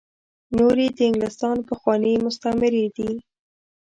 نور یې د انګلستان پخواني مستعميري دي.